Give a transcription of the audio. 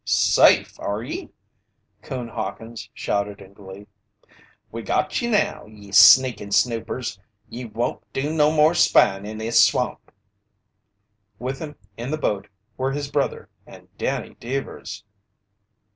"Safe, are ye?" Coon Hawkins shouted in glee. "We got ye now, ye sneakin' snoopers! Ye won't do no more spyin' in this swamp!" With him in the boat were his brother and Danny Deevers.